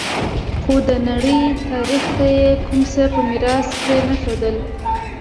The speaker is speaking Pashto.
خو د نړۍ تاریخ ته یې کوم څه په میراث پرې نه ښودل